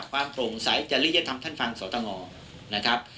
ความตรงใสจะเรียกทำท่านฟังสวทงนะครับ